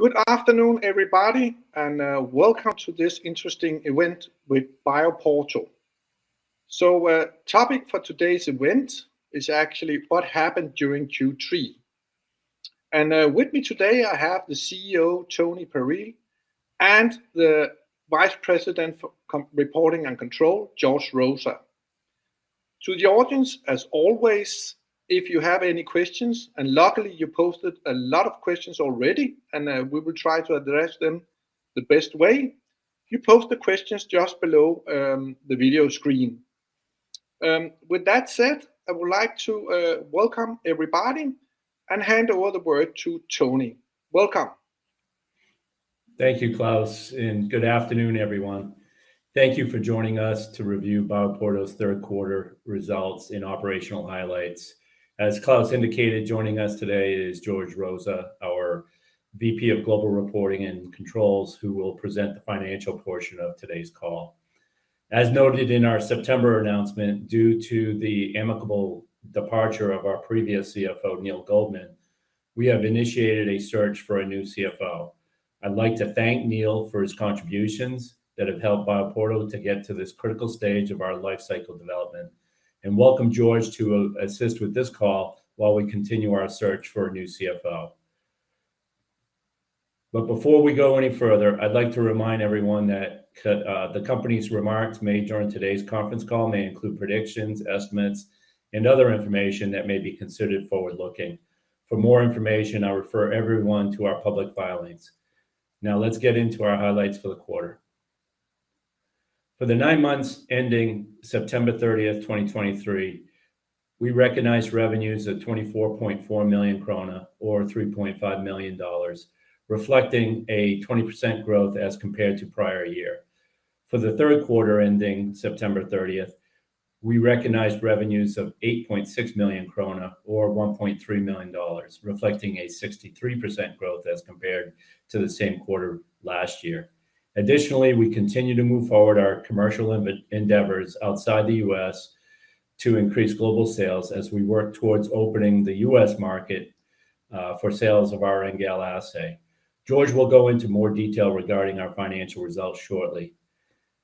Good afternoon, everybody, and welcome to this interesting event with BioPorto. So, topic for today's event is actually what happened during Q3. With me today, I have the CEO, Tony Pare, and the Vice President for Global Reporting and Controls, George Rosa. To the audience, as always, if you have any questions, and luckily, you posted a lot of questions already, and we will try to address them the best way. You post the questions just below the video screen. With that said, I would like to welcome everybody and hand over the word to Tony. Welcome. Thank you, Claus, and good afternoon, everyone. Thank you for joining us to review BioPorto's third quarter results in operational highlights. As Claus indicated, joining us today is George Rosa, our VP of Global Reporting and Controls, who will present the financial portion of today's call. As noted in our September announcement, due to the amicable departure of our previous CFO, Neil Goldman, we have initiated a search for a new CFO. I'd like to thank Neil for his contributions that have helped BioPorto to get to this critical stage of our life cycle development, and welcome George to assist with this call while we continue our search for a new CFO. But before we go any further, I'd like to remind everyone that the company's remarks made during today's conference call may include predictions, estimates, and other information that may be considered forward-looking. For more information, I refer everyone to our public filings. Now, let's get into our highlights for the quarter. For the nine months ending September 30th, 2023, we recognized revenues of 24.4 million krone, or $3.5 million, reflecting a 20% growth as compared to prior year. For the third quarter ending September 30th, 2023, we recognized revenues of 8.6 million krone, or $1.3 million, reflecting a 63% growth as compared to the same quarter last year. Additionally, we continue to move forward our commercial endeavors outside the U.S. to increase global sales as we work towards opening the U.S. market for sales of our NGAL assay. George will go into more detail regarding our financial results shortly.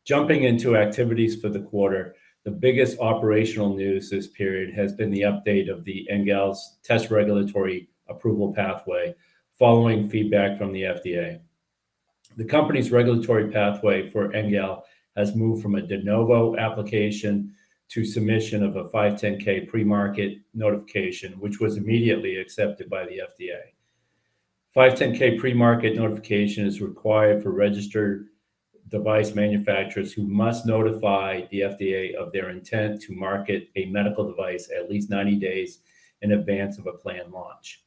Jumping into activities for the quarter, the biggest operational news this period has been the update of the NGAL's Test - Regulatory Approval Pathway, following feedback from the FDA. The company's regulatory pathway for NGAL has moved from a De Novo application to submission of a 510(k) premarket notification, which was immediately accepted by the FDA. 510(k) premarket notification is required for registered device manufacturers who must notify the FDA of their intent to market a medical device at least 90 days in advance of a planned launch.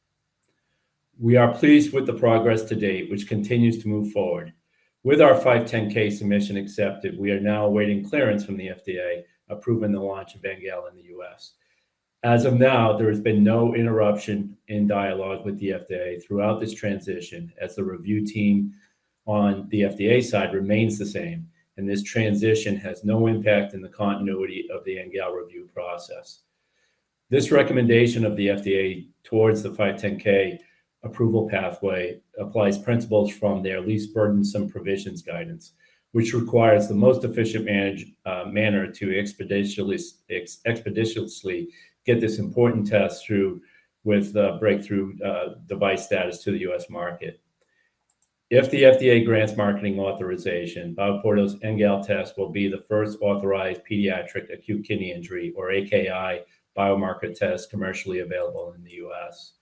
We are pleased with the progress to date, which continues to move forward. With our 510(k) submission accepted, we are now awaiting clearance from the FDA, approving the launch of NGAL in the U.S. As of now, there has been no interruption in dialogue with the FDA throughout this transition, as the review team on the FDA side remains the same, and this transition has no impact in the continuity of the NGAL review process. This recommendation of the FDA towards the 510(k) approval pathway applies principles from their least burdensome provisions guidance, which requires the most efficient manner to expeditiously get this important test through with the breakthrough device status to the U.S. market. If the FDA grants marketing authorization, BioPorto's NGAL Test will be the first authorized pediatric acute kidney injury, or AKI, biomarker test commercially available in the U.S.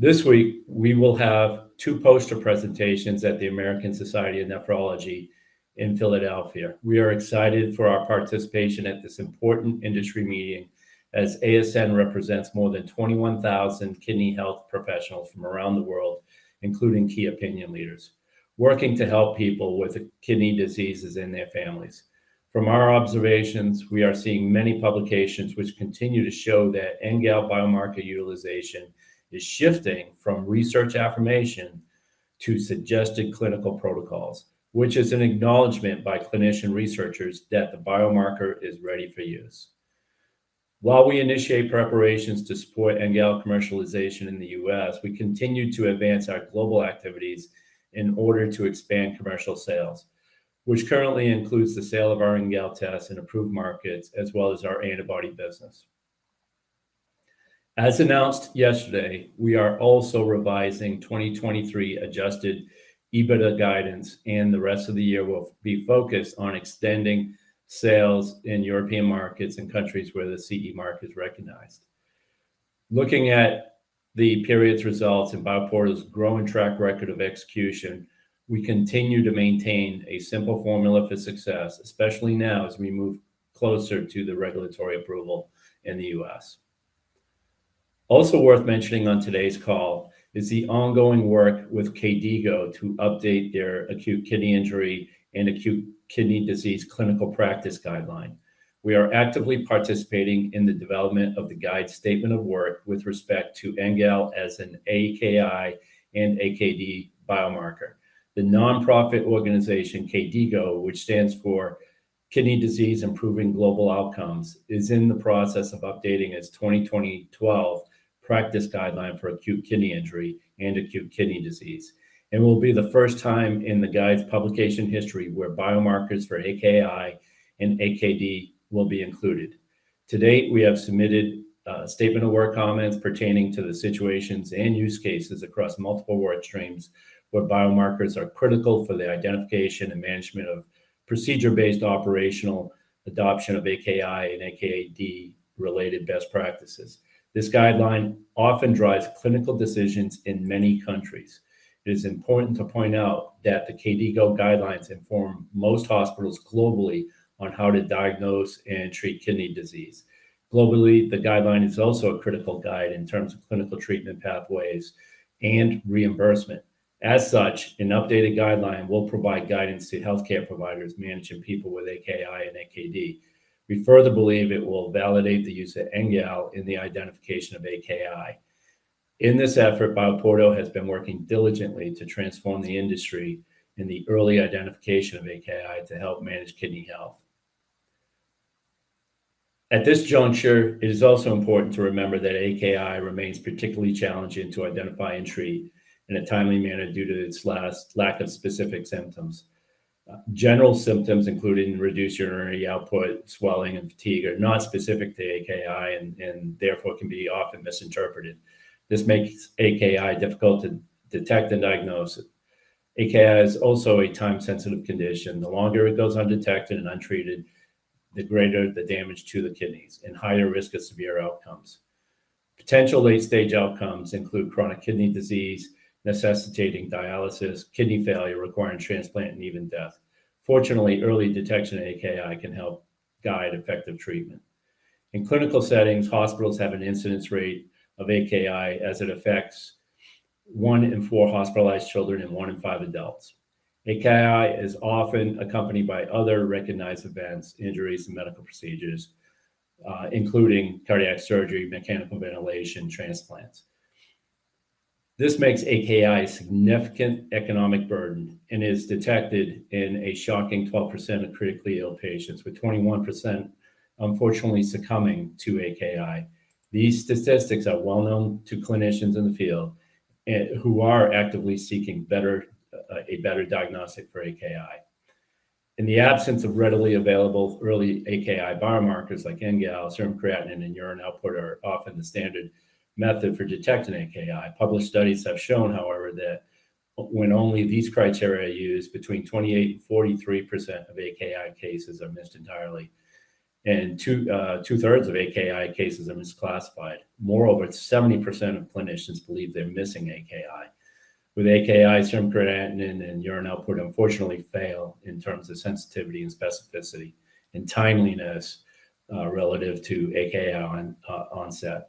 This week, we will have two poster presentations at the American Society of Nephrology in Philadelphia. We are excited for our participation at this important industry meeting, as ASN represents more than 21,000 kidney health professionals from around the world, including key opinion leaders, working to help people with kidney diseases and their families. From our observations, we are seeing many publications which continue to show that NGAL biomarker utilization is shifting from research affirmation to suggested clinical protocols, which is an acknowledgement by clinician researchers that the biomarker is ready for use. While we initiate preparations to support NGAL commercialization in the U.S., we continue to advance our global activities in order to expand commercial sales, which currently includes the sale of our NGAL Test in approved markets, as well as our antibody business. As announced yesterday, we are also revising 2023 Adjusted EBITDA guidance, and the rest of the year will be focused on extending sales in European markets and countries where the CE mark is recognized. Looking at the period's results and BioPorto's growing track record of execution, we continue to maintain a simple formula for success, especially now as we move closer to the regulatory approval in the U.S. Also worth mentioning on today's call is the ongoing work with KDIGO to update their acute kidney injury and acute kidney disease clinical practice guideline. We are actively participating in the development of the guide statement of work with respect to NGAL as an AKI and AKD biomarker. The nonprofit organization, KDIGO, which stands for Kidney Disease: Improving Global Outcomes, is in the process of updating its 2012 practice guideline for acute kidney injury and acute kidney disease. It will be the first time in the guide's publication history where biomarkers for AKI and AKD will be included. To date, we have submitted statement of work comments pertaining to the situations and use cases across multiple work streams, where biomarkers are critical for the identification and management of procedure-based operational adoption of AKI and AKD-related best practices. This guideline often drives clinical decisions in many countries. It is important to point out that the KDIGO guidelines inform most hospitals globally on how to diagnose and treat kidney disease. Globally, the guideline is also a critical guide in terms of clinical treatment pathways and reimbursement. As such, an updated guideline will provide guidance to healthcare providers managing people with AKI and AKD. We further believe it will validate the use of NGAL in the identification of AKI. In this effort, BioPorto has been working diligently to transform the industry in the early identification of AKI to help manage kidney health. At this juncture, it is also important to remember that AKI remains particularly challenging to identify and treat in a timely manner due to its lack of specific symptoms. General symptoms, including reduced urinary output, swelling, and fatigue, are not specific to AKI and therefore can be often misinterpreted. This makes AKI difficult to detect and diagnose. AKI is also a time-sensitive condition. The longer it goes undetected and untreated, the greater the damage to the kidneys and higher risk of severe outcomes. Potential late-stage outcomes include Chronic Kidney Disease, necessitating dialysis, kidney failure, requiring transplant, and even death. Fortunately, early detection of AKI can help guide effective treatment. In clinical settings, hospitals have an incidence rate of AKI as it affects one in four hospitalized children and one in five adults. AKI is often accompanied by other recognized events, injuries, and medical procedures, including cardiac surgery, mechanical ventilation, transplants. This makes AKI a significant economic burden and is detected in a shocking 12% of critically ill patients, with 21% unfortunately succumbing to AKI. These statistics are well known to clinicians in the field, and who are actively seeking better, a better diagnostic for AKI. In the absence of readily available early AKI biomarkers like NGAL, serum creatinine, and urine output are often the standard method for detecting AKI. Published studies have shown, however, that when only these criteria are used, between 28%-43% of AKI cases are missed entirely, and 2/3 of AKI cases are misclassified. Moreover, 70% of clinicians believe they're missing AKI. With AKI, serum creatinine and urine output unfortunately fail in terms of sensitivity and specificity, and timeliness, relative to AKI onset.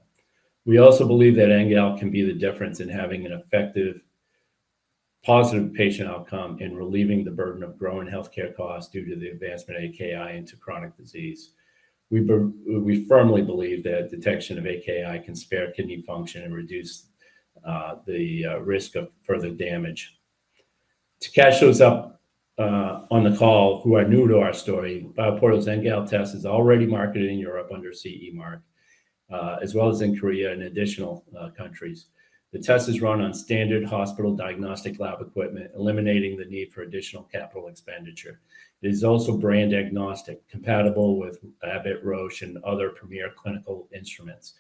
We also believe that NGAL can be the difference in having an effective positive patient outcome in relieving the burden of growing healthcare costs due to the advancement of AKI into chronic disease. We firmly believe that detection of AKI can spare kidney function and reduce the risk of further damage. To catch those up on the call who are new to our story, BioPorto's NGAL Test is already marketed in Europe under CE mark, as well as in Korea and additional countries. The test is run on standard hospital diagnostic lab equipment, eliminating the need for additional capital expenditure. It is also brand agnostic, compatible with Abbott, Roche, and other premier clinical instruments.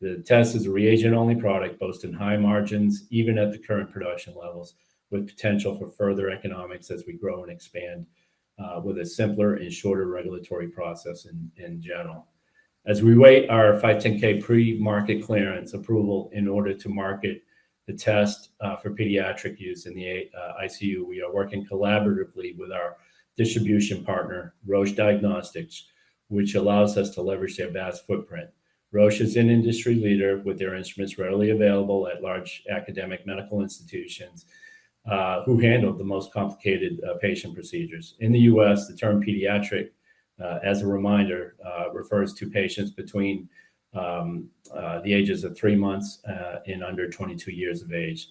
The test is a reagent-only product, boasting high margins, even at the current production levels, with potential for further economics as we grow and expand, with a simpler and shorter regulatory process in general. As we await our 510(k) pre-market clearance approval in order to market the test, for pediatric use in the ICU, we are working collaboratively with our distribution partner, Roche Diagnostics, which allows us to leverage their vast footprint. Roche is an industry leader, with their instruments readily available at large academic medical institutions, who handle the most complicated patient procedures. In the U.S., the term pediatric, as a reminder, refers to patients between the ages of three months and under 22 years of age.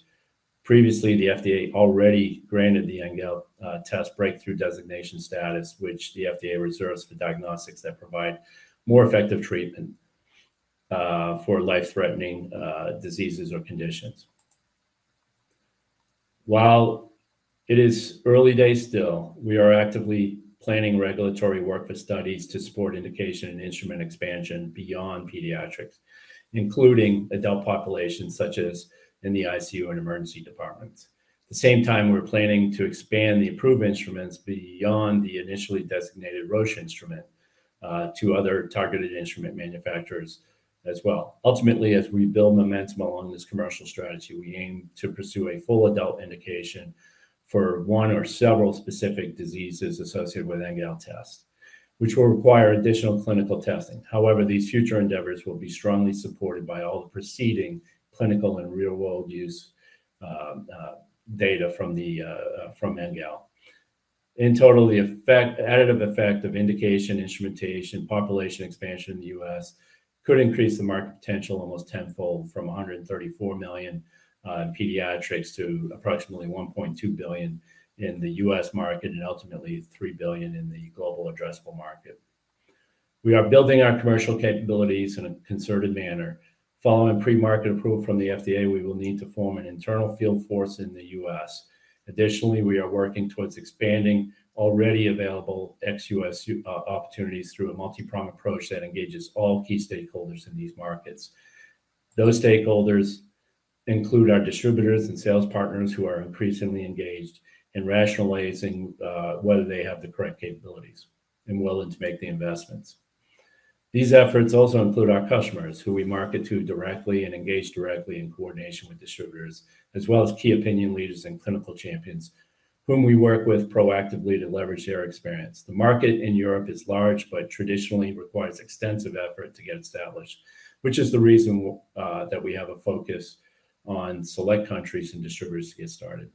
Previously, the FDA already granted the NGAL Test breakthrough designation status, which the FDA reserves for diagnostics that provide more effective treatment for life-threatening diseases or conditions. While it is early days still, we are actively planning regulatory work for studies to support indication and instrument expansion beyond pediatrics, including adult populations such as in the ICU and emergency departments. At the same time, we're planning to expand the approved instruments beyond the initially designated Roche instrument to other targeted instrument manufacturers as well. Ultimately, as we build momentum along this commercial strategy, we aim to pursue a full adult indication for one or several specific diseases associated with NGAL Test, which will require additional clinical testing. However, these future endeavors will be strongly supported by all the preceding clinical and real-world use data from NGAL. In total, the effect, the additive effect of indication, instrumentation, population expansion in the U.S. could increase the market potential almost tenfold from $134 million in pediatrics to approximately $1.2 billion in the U.S. market, and ultimately $3 billion in the global addressable market. We are building our commercial capabilities in a concerted manner. Following pre-market approval from the FDA, we will need to form an internal field force in the U.S. Additionally, we are working towards expanding already available ex-U.S. opportunities through a multi-prong approach that engages all key stakeholders in these markets. Those stakeholders include our distributors and sales partners, who are increasingly engaged in rationalizing whether they have the correct capabilities and willing to make the investments. These efforts also include our customers, who we market to directly and engage directly in coordination with distributors, as well as key opinion leaders and clinical champions, whom we work with proactively to leverage their experience. The market in Europe is large, but traditionally requires extensive effort to get established, which is the reason that we have a focus on select countries and distributors to get started.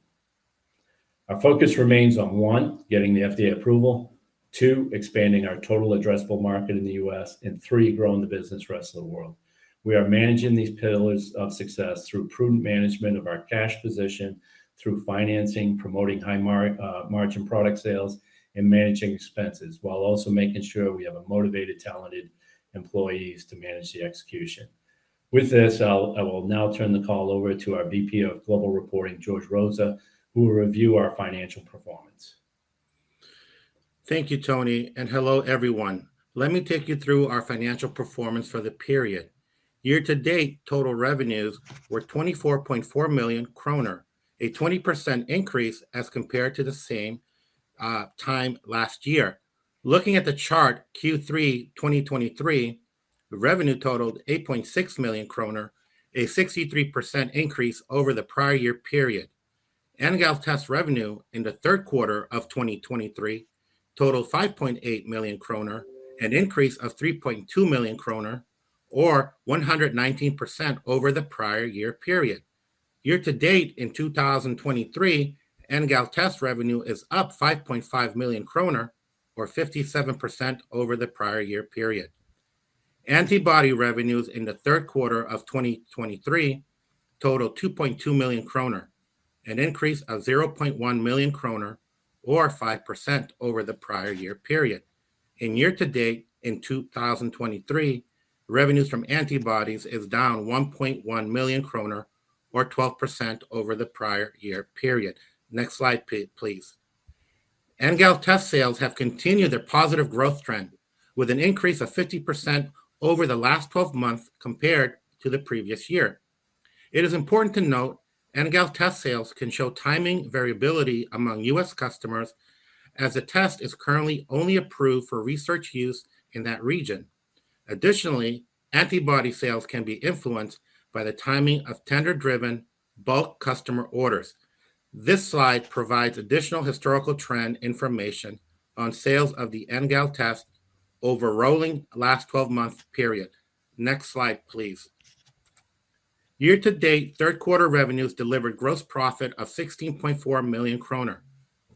Our focus remains on one, getting the FDA approval, two, expanding our total addressable market in the U.S., and three, growing the business the rest of the world. We are managing these pillars of success through prudent management of our cash position, through financing, promoting high margin product sales, and managing expenses, while also making sure we have a motivated, talented employees to manage the execution. With this, I will now turn the call over to our VP of Global Reporting, George Rosa, who will review our financial performance. Thank you, Tony, and hello, everyone. Let me take you through our financial performance for the period. Year to date, total revenues were 24.4 million kroner, a 20% increase as compared to the same time last year. Looking at the chart, Q3 2023, revenue totaled 8.6 million kroner, a 63% increase over the prior year period. NGAL Test revenue in the third quarter of 2023 totaled 5.8 million kroner, an increase of 3.2 million kroner or 119% over the prior year period. Year to date in 2023, NGAL Test revenue is up 5.5 million kroner or 57% over the prior year period. Antibody revenues in the third quarter of 2023 totaled 2.2 million kroner, an increase of 0.1 million kroner or 5% over the prior year period. In year to date in 2023, revenues from antibodies is down 1.1 million kroner or 12% over the prior year period. Next slide, please. NGAL Test sales have continued their positive growth trend, with an increase of 50% over the last 12 months compared to the previous year. It is important to note, NGAL Test sales can show timing variability among U.S. customers, as the test is currently only approved for research use in that region. Additionally, antibody sales can be influenced by the timing of tender-driven bulk customer orders. This slide provides additional historical trend information on sales of the NGAL Test over rolling last 12-month period. Next slide, please. Year to date, third quarter revenues delivered gross profit of 16.4 million kroner,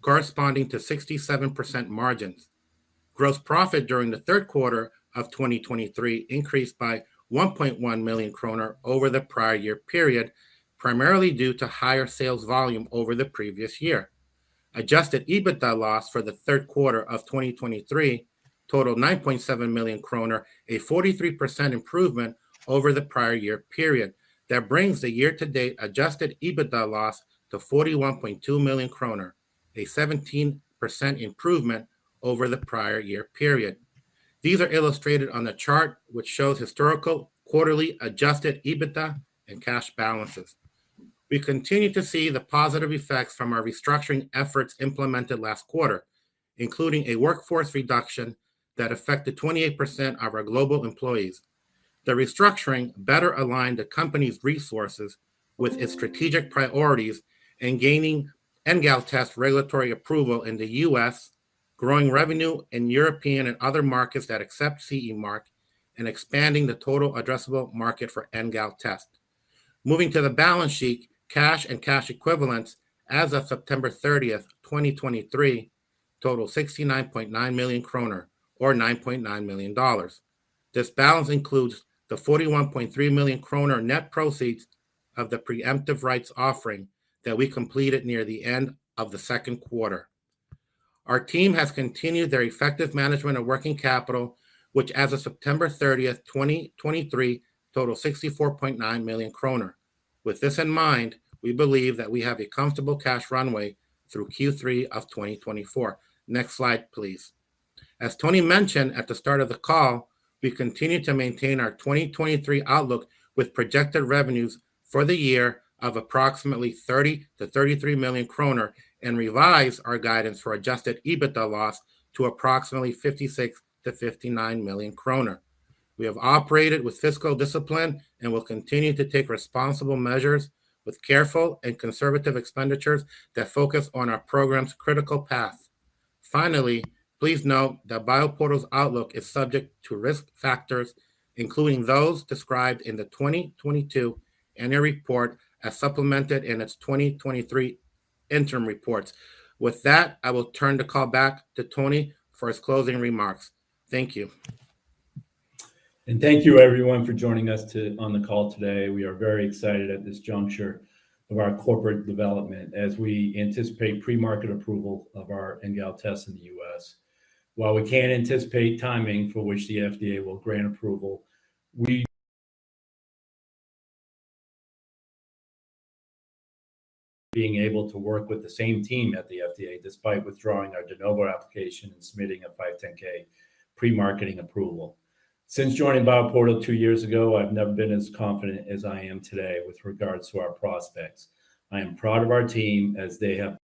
corresponding to 67% margins. Gross profit during the third quarter of 2023 increased by 1.1 million kroner over the prior year period, primarily due to higher sales volume over the previous year. Adjusted EBITDA loss for the third quarter of 2023 totaled 9.7 million kroner, a 43% improvement over the prior year period. That brings the year-to-date Adjusted EBITDA loss to 41.2 million kroner, a 17% improvement over the prior year period. These are illustrated on the chart, which shows historical, quarterly, adjusted EBITDA and cash balances. We continue to see the positive effects from our restructuring efforts implemented last quarter, including a workforce reduction that affected 28% of our global employees. The restructuring better aligned the company's resources with its strategic priorities in gaining NGAL Test regulatory approval in the U.S., growing revenue in European and other markets that accept CE mark, and expanding the total addressable market for NGAL Test. Moving to the balance sheet, cash and cash equivalents as of September 30th, 2023, total 69.9 million kroner, or $9.9 million. This balance includes the 41.3 million kroner net proceeds of the preemptive rights offering that we completed near the end of the second quarter. Our team has continued their effective management of working capital, which, as of September 30, 2023, total 64.9 million kroner. With this in mind, we believe that we have a comfortable cash runway through Q3 of 2024. Next slide, please. As Tony mentioned at the start of the call, we continue to maintain our 2023 outlook with projected revenues for the year of approximately 30 million-33 million kroner, and revise our guidance for adjusted EBITDA loss to approximately 56 million-59 million kroner. We have operated with fiscal discipline and will continue to take responsible measures with careful and conservative expenditures that focus on our program's critical path. Finally, please note that BioPorto's outlook is subject to risk factors, including those described in the 2022 annual report as supplemented in its 2023 interim reports. With that, I will turn the call back to Tony for his closing remarks. Thank you. Thank you everyone for joining us on the call today. We are very excited at this juncture of our corporate development as we anticipate pre-market approval of our NGAL Test in the U.S. While we can't anticipate timing for which the FDA will grant approval, being able to work with the same team at the FDA, despite withdrawing our De Novo application and submitting a 510(k) pre-marketing approval. Since joining BioPorto two years ago, I've never been as confident as I am today with regards to our prospects. I am proud of our team as they have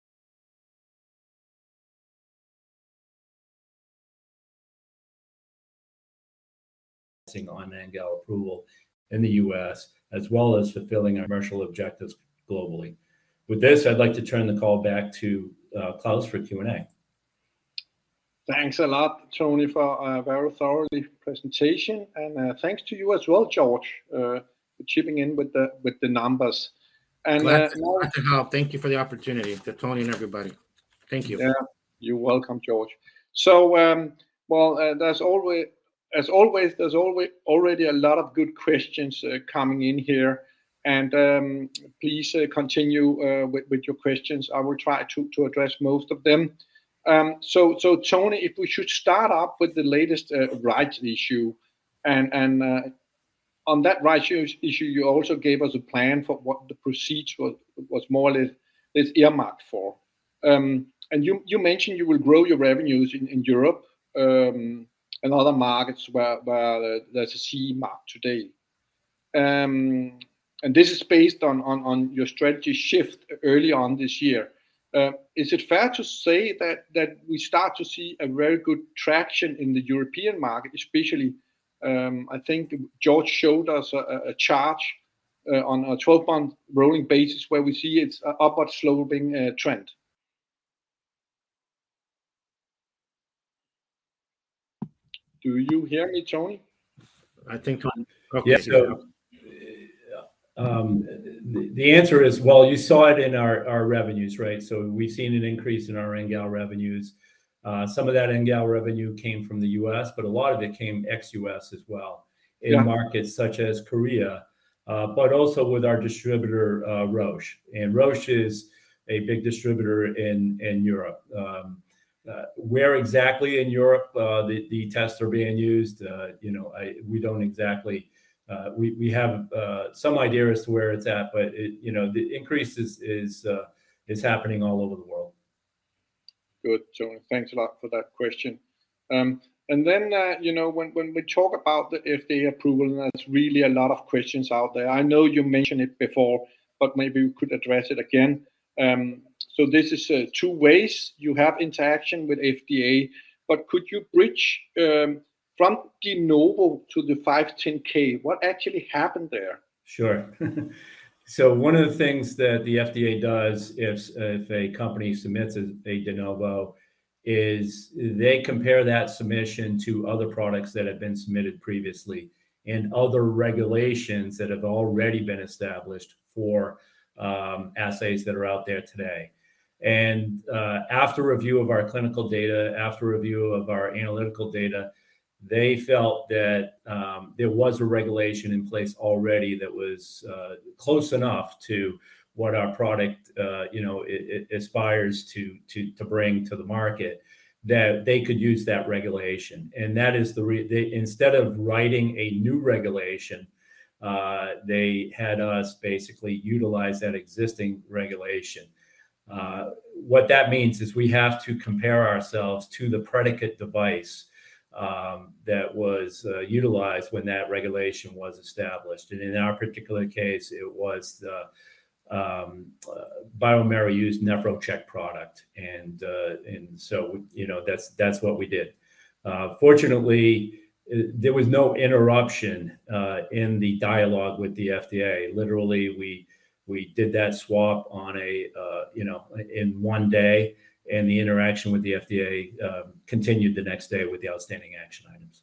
on NGAL approval in the U.S., as well as fulfilling our commercial objectives globally. With this, I'd like to turn the call back to, Claus for Q&A. Thanks a lot, Tony, for a very thorough presentation, and, thanks to you as well, George, for chipping in with the, with the numbers. And, Glad to help. Thank you for the opportunity to Tony and everybody. Thank you. Yeah, you're welcome, George. So, well, as always, there's already a lot of good questions coming in here, and please continue with your questions. I will try to address most of them. So, Tony, if we should start off with the latest rights issue, and on that rights issue, you also gave us a plan for what the proceeds were more or less earmarked for. And you mentioned you will grow your revenues in Europe and other markets where there's a CE mark today. And this is based on your strategy shift early on this year. Is it fair to say that we start to see very good traction in the European market, especially, I think George showed us a chart on a 12-month rolling basis where we see it's a upward sloping trend? Do you hear me, Tony? I think, yes. So, the answer is, well, you saw it in our, our revenues, right? So we've seen an increase in our NGAL revenues. Some of that NGAL revenue came from the U.S., but a lot of it came ex-U.S. as well. Yeah In markets such as Korea, but also with our distributor, Roche. And Roche is a big distributor in Europe. Where exactly in Europe the tests are being used, you know, we don't exactly, we have some idea as to where it's at, but it, you know, the increase is happening all over the world. Good, Tony. Thanks a lot for that question. And then, you know, when, when we talk about the FDA approval, there's really a lot of questions out there. I know you mentioned it before, but maybe you could address it again. So this is, two ways you have interaction with FDA, but could you bridge, from De Novo to the 510(k)? What actually happened there? Sure. So one of the things that the FDA does if a company submits a De Novo is they compare that submission to other products that have been submitted previously and other regulations that have already been established for assays that are out there today. And after review of our clinical data, after review of our analytical data, they felt that there was a regulation in place already that was close enough to what our product you know it aspires to bring to the market, that they could use that regulation. And that is instead of writing a new regulation they had us basically utilize that existing regulation. What that means is we have to compare ourselves to the predicate device that was utilized when that regulation was established. In our particular case, it was the bioMérieux's NephroCheck product. And so, you know, that's, that's what we did. Fortunately, there was no interruption in the dialogue with the FDA. Literally, we, we did that swap on a, you know, in one day, and the interaction with the FDA continued the next day with the outstanding action items.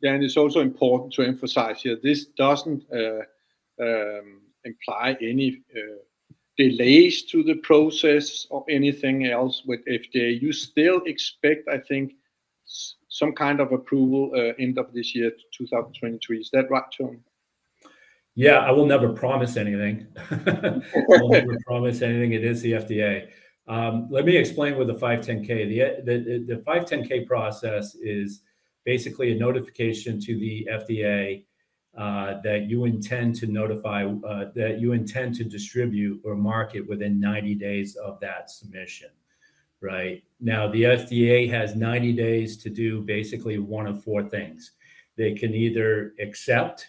Yeah, and it's also important to emphasize here, this doesn't imply any delays to the process or anything else with FDA. You still expect, I think, some kind of approval end of this year, 2023. Is that right, Tony? Yeah, I will never promise anything. I won't promise anything, it is the FDA. Let me explain what the 510(k). The 510(k) process is basically a notification to the FDA, that you intend to distribute or market within 90 days of that submission. Right? Now, the FDA has 90 days to do basically one of four things. They can either accept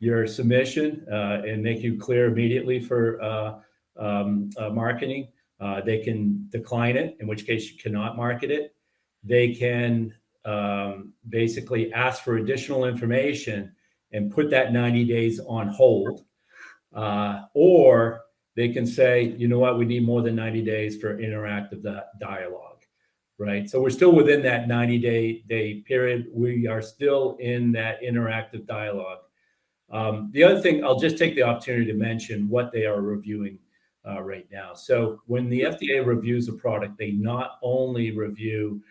your submission, and make you clear immediately for marketing. They can decline it, in which case you cannot market it. They can basically ask for additional information and put that 90 days on hold. Or they can say, "You know what? We need more than 90 days for interactive dialogue." Right, so we're still within that 90-day period. We are still in that interactive dialogue. The other thing, I'll just take the opportunity to mention what they are reviewing right now. So when the FDA reviews a product, they not only review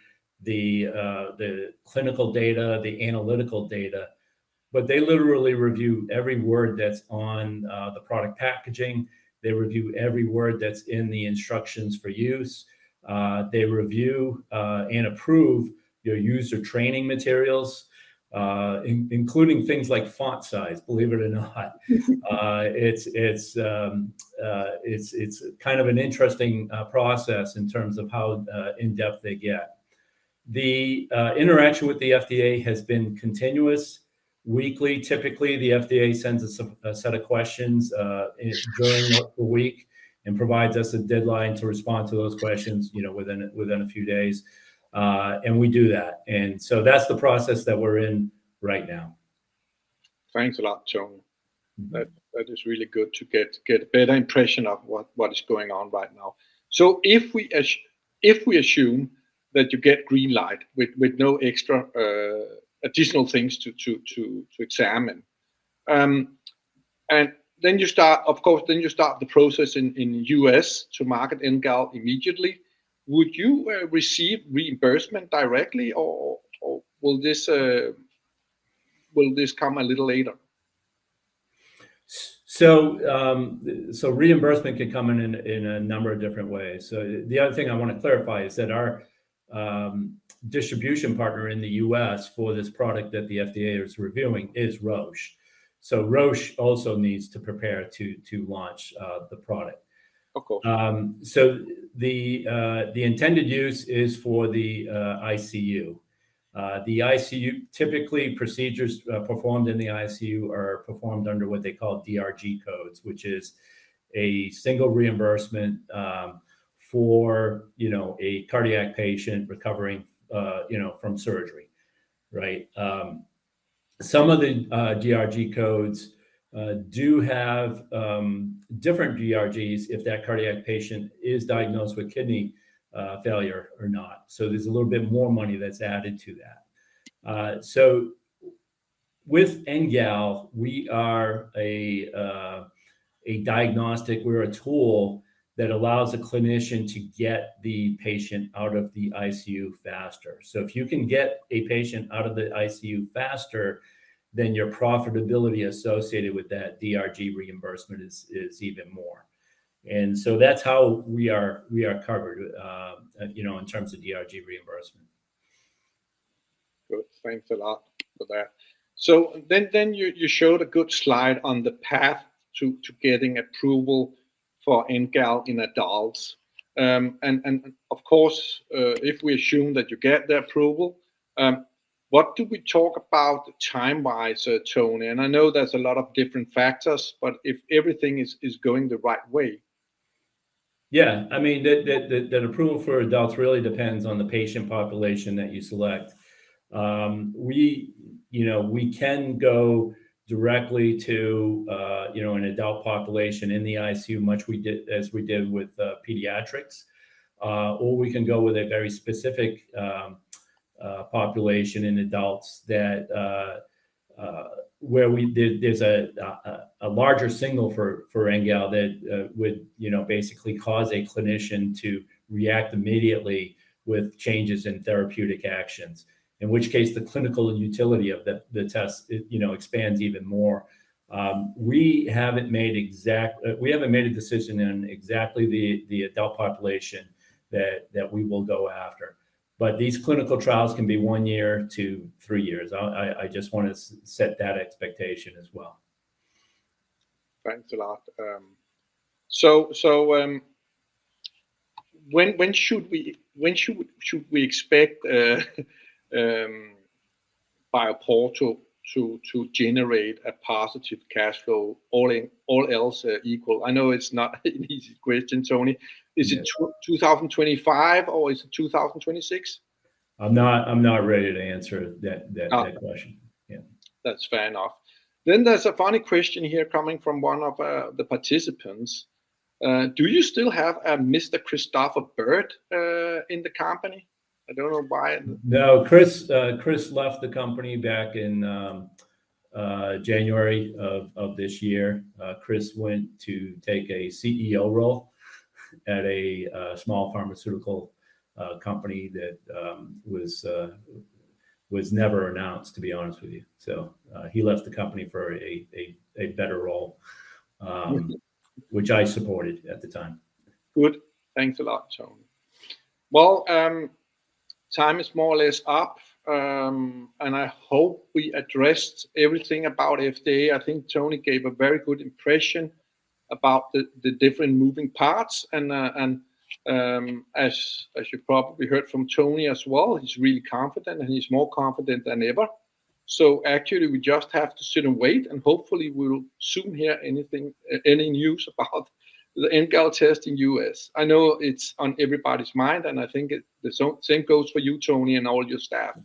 the clinical data, the analytical data, but they literally review every word that's on the product packaging. They review every word that's in the instructions for use. They review and approve your user training materials, including things like font size, believe it or not. It's kind of an interesting process in terms of how in-depth they get. The interaction with the FDA has been continuous. Weekly, typically, the FDA sends us a set of questions during the week and provides us a deadline to respond to those questions, you know, within a few days. And we do that. That's the process that we're in right now. Thanks a lot, Tony. Mm-hmm. That is really good to get a better impression of what is going on right now. So if we assume that you get green light with no extra additional things to examine, and then you start, of course, the process in the U.S. to market NGAL immediately, would you receive reimbursement directly, or will this come a little later? So, reimbursement can come in a number of different ways. So the other thing I want to clarify is that our distribution partner in the U.S. for this product that the FDA is reviewing is Roche. So Roche also needs to prepare to launch the product. Of course. So the intended use is for the ICU. The ICU typically, procedures performed in the ICU are performed under what they call DRG codes, which is a single reimbursement, for, you know, a cardiac patient recovering, you know, from surgery. Right? Some of the DRG codes do have different DRGs if that cardiac patient is diagnosed with kidney failure or not. So there's a little bit more money that's added to that. So with NGAL, we are a diagnostic, we're a tool that allows a clinician to get the patient out of the ICU faster. So if you can get a patient out of the ICU faster, then your profitability associated with that DRG reimbursement is even more. So that's how we are, we are covered, you know, in terms of DRG reimbursement. Good. Thanks a lot for that. So then you showed a good slide on the path to getting approval for NGAL in adults. And of course, if we assume that you get the approval, what do we talk about time-wise, Tony? And I know there's a lot of different factors, but if everything is going the right way. Yeah. I mean, the approval for adults really depends on the patient population that you select. We, you know, can go directly to, you know, an adult population in the ICU, as we did with pediatrics. Or we can go with a very specific population in adults that, where there's a larger signal for NGAL that would, you know, basically cause a clinician to react immediately with changes in therapeutic actions. In which case, the clinical utility of the test, you know, expands even more. We haven't made a decision in exactly the adult population that we will go after. But these clinical trials can be one year to three years. I just want to set that expectation as well. Thanks a lot. So, when should we expect BioPorto to generate a positive cash flow, all else equal? I know it's not an easy question, Tony. Yeah. Is it 2025, or is it 2026? I'm not ready to answer that question. Yeah. That's fair enough. Then there's a funny question here coming from one of the participants. "Do you still have a Mr. Christopher Bird in the company?" I don't know why... No, Chris, Chris left the company back in January of this year. Chris went to take a CEO role at a small pharmaceutical company that was never announced, to be honest with you. So, he left the company for a better role, which I supported at the time. Good. Thanks a lot, Tony. Well, time is more or less up, and I hope we addressed everything about FDA. I think Tony gave a very good impression about the, the different moving parts, and, and, as you probably heard from Tony as well, he's really confident, and he's more confident than ever. So actually, we just have to sit and wait, and hopefully, we'll soon hear anything, any news about the NGAL Test in U.S. I know it's on everybody's mind, and I think it- the same, same goes for you, Tony, and all your staff.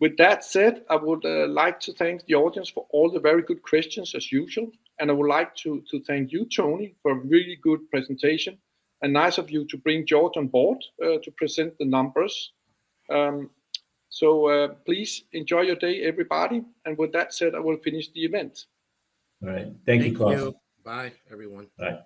With that said, I would like to thank the audience for all the very good questions, as usual, and I would like to thank you, Tony, for a really good presentation, and nice of you to bring Jordan onboard to present the numbers. So, please enjoy your day, everybody, and with that said, I will finish the event. All right. Thank you, Claus. Thank you. Bye, everyone. Bye.